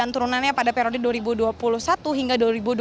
teradi dua ribu dua puluh satu hingga dua ribu dua puluh dua